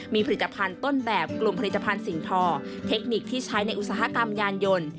มีผลิตภัณฑ์ต้นแบบกลุ่มผลิตภัณฑ์สิ่งทอเทคนิคที่ใช้ในอุตสาหกรรมยานยนต์